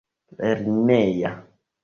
lerneja